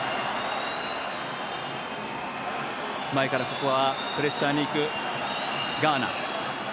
前からプレッシャーに行くガーナ。